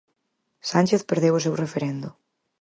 Sánchez perdeu o seu referendo.